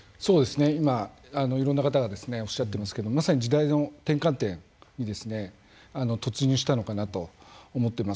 そうですね今いろんな方がおっしゃっていますけどまさに時代の転換点にですね突入したのかなと思っています。